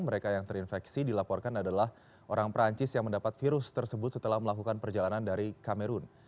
mereka yang terinfeksi dilaporkan adalah orang perancis yang mendapat virus tersebut setelah melakukan perjalanan dari kamerun